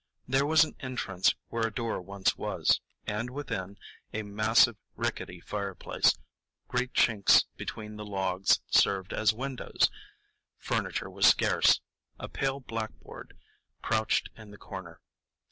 There was an entrance where a door once was, and within, a massive rickety fireplace; great chinks between the logs served as windows. Furniture was scarce. A pale blackboard crouched in the corner.